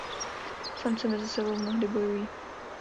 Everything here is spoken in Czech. Samci mezi sebou mnohdy bojují.